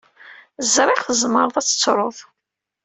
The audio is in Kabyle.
Ẓriɣ tzemreḍ ad tettruḍ.